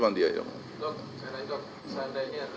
apakah pihak masyarakat ini bisa menahan